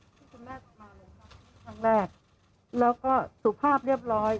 ที่คุณแม่จะมาเลยครับครั้งแรกแล้วก็สุภาพเรียบร้อย